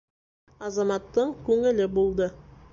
Азаматтың күңеле булды.